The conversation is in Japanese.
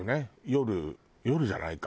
夜夜じゃないか。